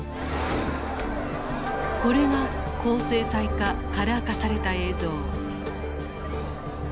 これが高精細化カラー化された映像。